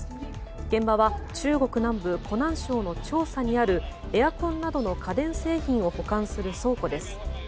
現場は中国南部湖南省の長沙にあるエアコンなどの家電製品を保管する倉庫です。